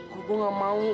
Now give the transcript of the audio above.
gua ga mau